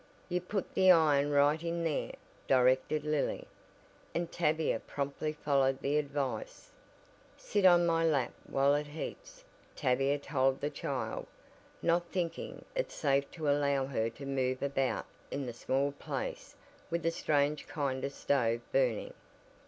"You put the iron right in there," directed Lily, and Tavia promptly followed the advice. "Sit on my lap while it heats," Tavia told the child, not thinking it safe to allow her to move about in the small place with a strange kind of stove burning.